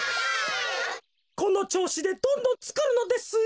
このちょうしでどんどんつくるのですよ。